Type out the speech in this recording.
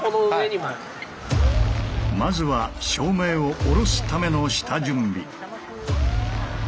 まずは照明をおろすための下準備。